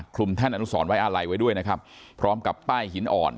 ท่านอนุสรไว้อาลัยไว้ด้วยนะครับพร้อมกับป้ายหินอ่อน